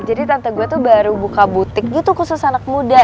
jadi tante gue tuh baru buka butik gitu khusus anak muda